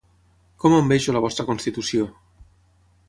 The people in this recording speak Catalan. Com envejo la vostra constitució!